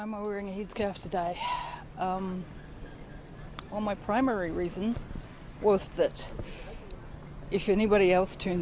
pertama kalau ada orang yang berubah dengan gun